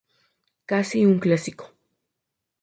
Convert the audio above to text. Casi un clásico.